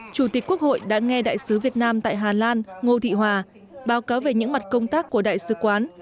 chủ tịch quốc hội đã nghe đại sứ việt nam tại hà lan ngô thị hòa báo cáo về những mặt công tác của đại sứ quán